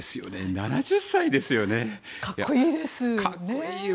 ７０歳ですよね。